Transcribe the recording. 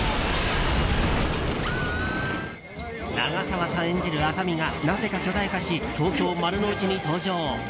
長澤さん演じる浅見がなぜか巨大化し東京・丸の内に登場。